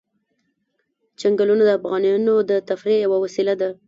چنګلونه د افغانانو د تفریح یوه وسیله ده.